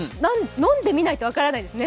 飲んでみないと分からないですね